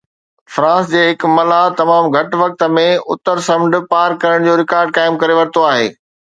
France جي هڪ ملاح تمام گهٽ وقت ۾ اتر سمنڊ پار ڪرڻ جو رڪارڊ قائم ڪري ورتو آهي